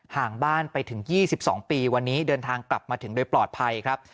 ห่างบ้านไปถึง๒๒ปีวันนี้เดินทางกลับมาถึงโดยปลอดภัยครับ